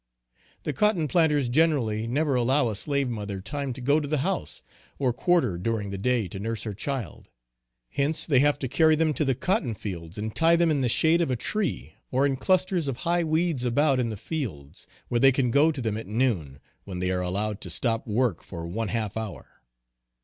The cotton planters generally, never allow a slave mother time to go to the house, or quarter during the day to nurse her child; hence they have to carry them to the cotton fields and tie them in the shade of a tree, or in clusters of high weeds about in the fields, where they can go to them at noon, when they are allowed to stop work for one half hour.